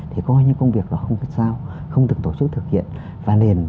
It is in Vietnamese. thì có những công việc đó không được giao không được tổ chức thực hiện